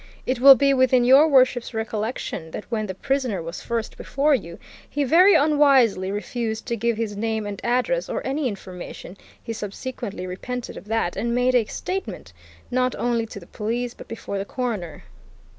It will be within your worship's recollection that when the prisoner was first before you, he very unwisely refused to give his name and address or any information he subsequently repented of that and made a statement, not only to the police but before the coroner.